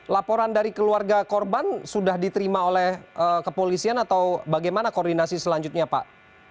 laporan dari keluarga korban sudah diterima oleh kepolisian atau bagaimana koordinasi selanjutnya pak